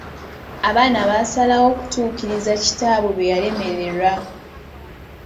Abaana baasalawo okutuukiriza kitaawe bye yalemererwa.